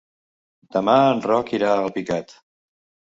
Demà en Roc irà a Alpicat.